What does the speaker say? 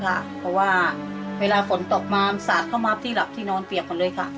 เพราะว่าเวลาฝนตกมาสาดเข้ามาที่หลับที่นอนเปียกหมดเลยค่ะ